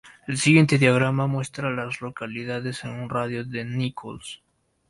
El siguiente diagrama muestra a las localidades en un radio de de Nichols.